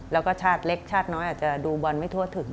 แล้วก็ชาติเล็กชาติน้อยอาจจะดูบอลไม่ทั่วถึง